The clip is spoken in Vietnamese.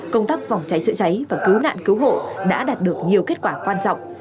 công tác phòng cháy chữa cháy và cứu nạn cứu hộ đã đạt được nhiều kết quả quan trọng